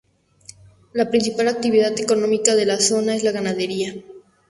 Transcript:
La principal actividad económica de la zona es la ganadería.